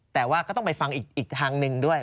แต่ว่าก็ต้องไปฟังอีกทางหนึ่งด้วย